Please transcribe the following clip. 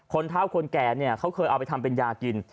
เท่าคนแก่เนี่ยเขาเคยเอาไปทำเป็นยากิน